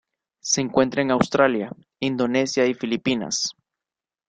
Se encuentra en Australia, Indonesia y Filipinas.